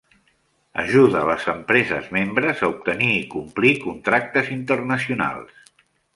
Ajuda les empreses membres a obtenir i complir contractes internacionals.